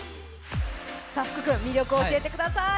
魅力を教えてください。